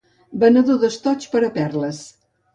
Venedor d'estoigs per a perles.